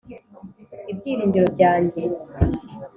ibyiringiro byanjye